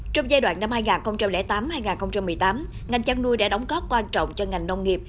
trong giai đoạn năm hai nghìn tám hai nghìn một mươi tám ngành chăn nuôi đã đóng góp quan trọng cho ngành nông nghiệp